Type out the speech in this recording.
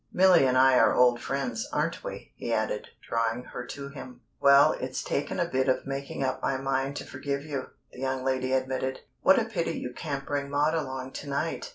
Milly and I are old friends, aren't we?" he added, drawing her to him. "Well, it's taken a bit of making up my mind to forgive you," the young lady admitted. "What a pity you can't bring Maud along to night!"